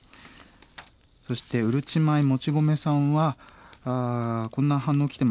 そしてうるち米もち米さんはこんな反応来てますよ。